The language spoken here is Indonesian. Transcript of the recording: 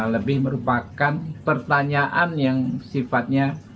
lebih merupakan pertanyaan yang sifatnya